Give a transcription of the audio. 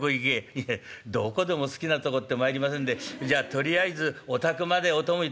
「いやどこでも好きなとこってまいりませんでじゃとりあえずお宅までお供いたしましょう」。